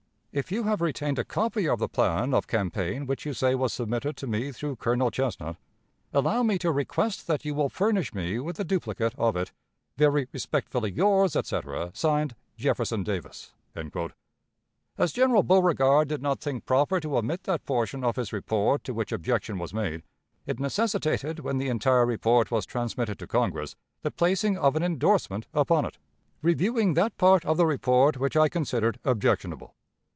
"If you have retained a copy of the plan of campaign which you say was submitted to me through Colonel Chesnut, allow me to request that you will furnish me with a duplicate of it." "Very respectfully yours, etc.," (Signed) "Jefferson Davis." As General Beauregard did not think proper to omit that portion of his report to which objection was made, it necessitated, when the entire report was transmitted to Congress, the placing of an endorsement upon it, reviewing that part of the report which I considered objectionable.